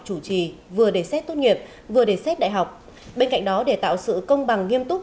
chủ trì vừa để xét tốt nghiệp vừa để xét đại học bên cạnh đó để tạo sự công bằng nghiêm túc